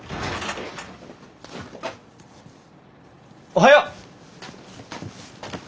おはよう！